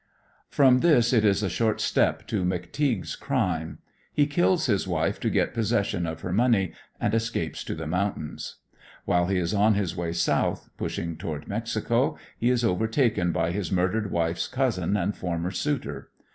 From this it is a short step to "McTeague's" crime. He kills his wife to get possession of her money, and escapes to the mountains. While he is on his way south, pushing toward Mexico, he is overtaken by his murdered wife's cousin and former suitor.